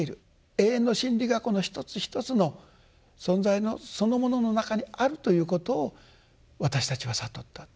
永遠の真理がこの一つ一つの存在のそのものの中にあるということを私たちは悟ったと。